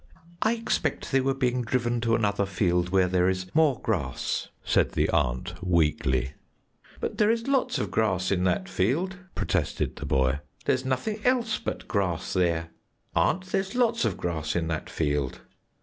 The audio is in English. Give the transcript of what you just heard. "I expect they are being driven to another field where there is more grass," said the aunt weakly. "But there is lots of grass in that field," protested the boy; "there's nothing else but grass there. Aunt, there's lots of grass in that field."